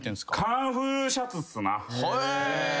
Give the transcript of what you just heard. カンフーシャツっすな。